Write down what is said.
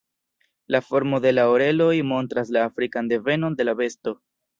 La formo de la oreloj montras la afrikan devenon de la besto.